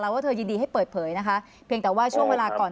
ว่าเธอยินดีให้เปิดเผยนะคะเพียงแต่ว่าช่วงเวลาก่อน